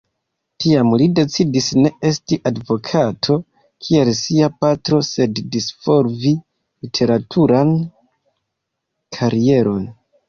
Tiam, li decidis ne esti advokato, kiel sia patro, sed disvolvi literaturan karieron.